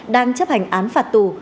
đang chấp hành án phạt tù